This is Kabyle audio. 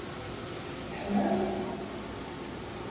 Teḥmam?